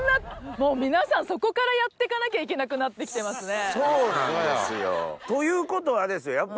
もう皆さんそこからやってかなきゃいけなくなって来てますね。ということはですよ